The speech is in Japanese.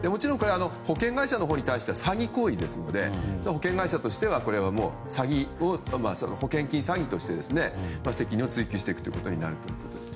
保険会社のほうに対しては詐欺行為ですので保険会社としては保険金詐欺として責任を追及していくことになると思います。